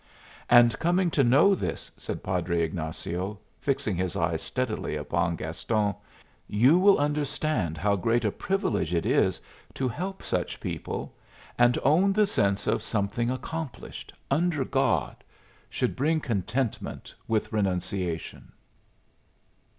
And coming to know this," said Padre Ignazio, fixing his eyes steadily upon Gaston, "you will understand how great a privilege it is to help such people, and hour the sense of something accomplished under God should bring contentment with renunciation."